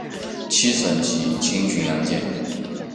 七省级轻巡洋舰。